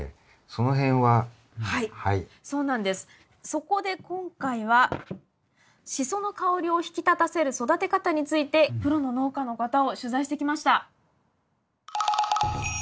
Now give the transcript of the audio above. そこで今回はシソの香りを引き立たせる育て方についてプロの農家の方を取材してきました。